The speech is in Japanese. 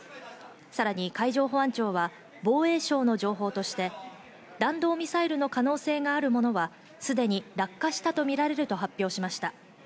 さらに海上保安庁は、防衛省の情報として弾道ミサイルの可能性があるものはすでに落下したとみられると発表しました。